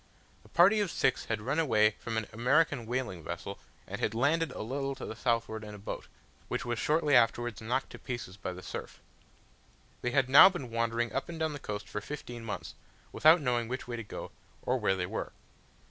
A party of six had run away from an American whaling vessel, and had landed a little to the southward in a boat, which was shortly afterwards knocked to pieces by the surf. They had now been wandering up and down the coast for fifteen months, without knowing which way to go, or where they were.